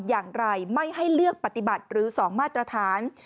อย่างไรไม่ให้เลือกปฏิบัติหรือ๒มาตรฐาน